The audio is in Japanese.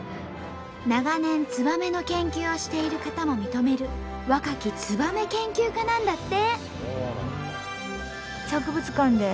長年ツバメの研究をしている方も認める若きツバメ研究家なんだって。